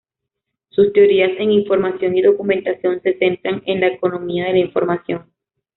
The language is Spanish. Sus teorías en Información y Documentación se centran en la economía de la información.